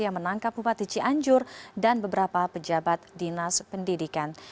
yang menangkap bupati cianjur dan beberapa pejabat dinas pendidikan